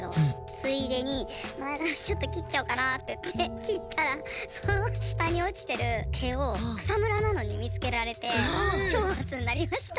ついでに前髪ちょっと切っちゃおうかなあって切ったら、その下に落ちてる毛を草むらなのに見つけられて懲罰になりました。